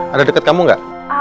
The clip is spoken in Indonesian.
ada deket kamu ga